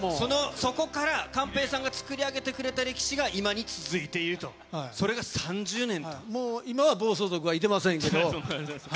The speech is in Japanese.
そこから、寛平さんが作り上げてくれた歴史が今に続いていると、それが３０もう今は暴走族はいてません